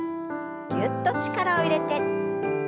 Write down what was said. ぎゅっと力を入れて。